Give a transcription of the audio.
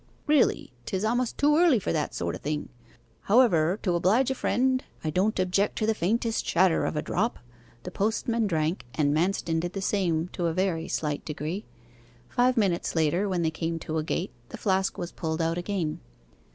'Really, 'tis a'most too early for that sort o' thing however, to oblige a friend, I don't object to the faintest shadder of a drop.' The postman drank, and Manston did the same to a very slight degree. Five minutes later, when they came to a gate, the flask was pulled out again.